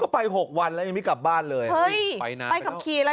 ก็ไปหกวันแล้วยังไม่กลับบ้านเลยเฮ้ยไปกับขี่อะไร